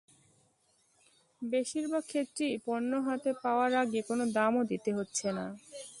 বেশির ভাগ ক্ষেত্রেই পণ্য হাতে পাওয়ার আগে কোনো দামও দিতে হচ্ছে না।